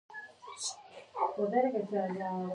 د ایران سینما ښځینه لارښودانې لري.